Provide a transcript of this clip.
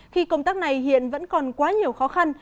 khi công tác này hiện vẫn còn quá nhiều khó khăn